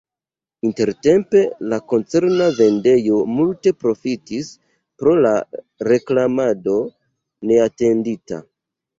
Intertempe la koncerna vendejo multe profitis pro la reklamado neatendita.